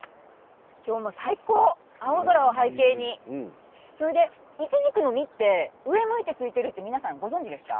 今日も最高、青空を背景にイチジクの実って上向いてついているって皆さんご存じでしたか？